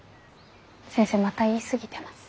先生また言い過ぎてます。